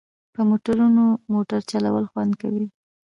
په موټروی موټر چلول خوند کوي